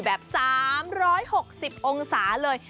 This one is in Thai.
แบบ๓๖๐องศาเลย